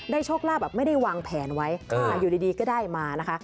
โชคลาภแบบไม่ได้วางแผนไว้อยู่ดีก็ได้มานะคะ